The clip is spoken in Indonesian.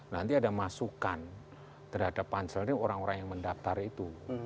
nanti ada masukan terhadap pansel ini orang orang yang mendaftar itu